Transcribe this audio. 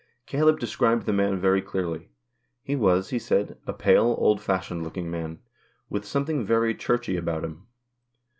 Caleb described the man very clearly. He was, he said, a pale, old fashioned looking man, with something very churchy about him.